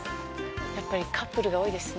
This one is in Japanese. やっぱりカップルが多いですね。